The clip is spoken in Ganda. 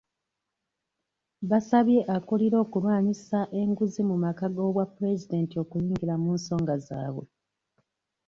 Basabye akulira okulwanyisa enguzi mu maka g'obwapulezidenti okuyingira mu nsonga zaabwe.